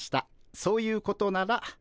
そういうことなら。